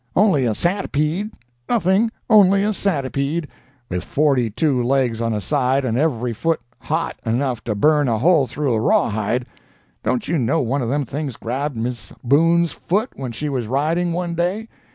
Only a 'santipede'—nothing, only a 'santipede,' with forty two legs on a side, and every foot hot enough to burn a hole through a rawhide. Don't you know one of them things grabbed Miss Boone's foot when she was riding one day?